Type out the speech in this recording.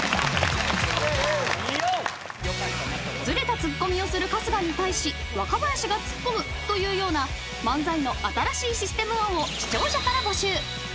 ［ずれたツッコミをする春日に対し若林がツッコむというような漫才の新しいシステム案を視聴者から募集］